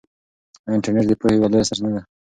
انټرنیټ د پوهې یوه لویه سرچینه ده.